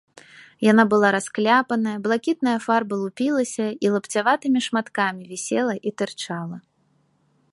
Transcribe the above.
Яна была раскляпаная, блакітная фарба лупілася і лапцяватымі шматкамі вісела і тырчала.